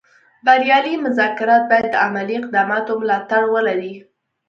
بریالي مذاکرات باید د عملي اقداماتو ملاتړ ولري